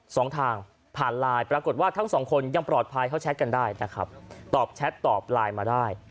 ทางผ่านไลน์ปรากฏว่าทั้งสองคนยังปลอดภัยเขาแชทกันได้นะครับตอบแชทตอบไลน์มาได้